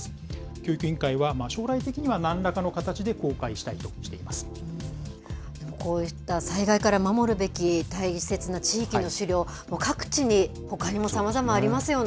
教育委員会は、将来的にはなんらこういった災害から守るべき大切な地域の資料、各地に、ほかにもさまざまありますよね。